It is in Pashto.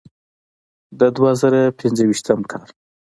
د دوه زره پنځويشتم کال